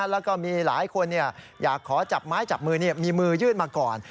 แล้วก็มีหลายคนเนี่ยอยากขอจับไม้จับมือเนี่ยมีมือยืดมาก่อน